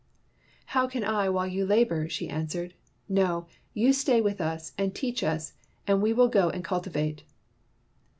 "How can I while you labor," she an swered. "No, you stay with us, and teach us, and we will go and cultivate.